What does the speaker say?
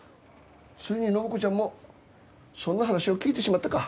ついに暢子ちゃんもそんな話を聞いてしまったか。